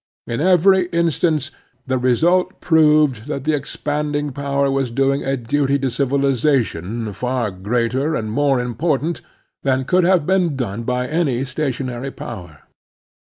In every instance the result proved that the expanding power was doing a duty to civilization far greater and more impor tant than could have been done by any stationary power.